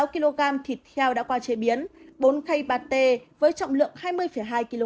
một sáu kg thịt heo đã qua chế biến bốn cây pate với trọng lượng hai mươi hai kg